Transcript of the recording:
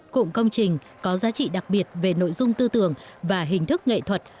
cụm công trình có giá trị đặc biệt về nội dung tư tưởng và hình thức nghệ thuật